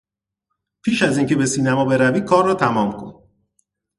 پیش از اینکه به سینما بروی کار را تمام کن.